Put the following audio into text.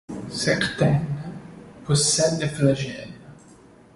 Certaines possèdent des flagelles.